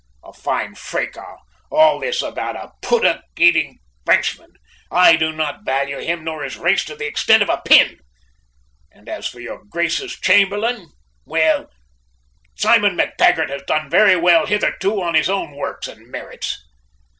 A fine fracas all this about a puddock eating Frenchman! I do not value him nor his race to the extent of a pin. And as for your Grace's Chamberlain well, Simon MacTaggart has done very well hitherto on his own works and merits."